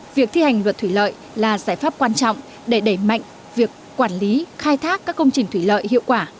việc thi hành luật thủy lợi là giải pháp quan trọng để đẩy mạnh việc quản lý khai thác các công trình thủy lợi hiệu quả